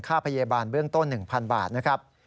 ค่าพยาบาลเบื้องต้น๑๐๐๐บาทนะครับ